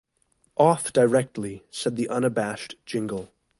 ‘Off directly,’ said the unabashed Jingle.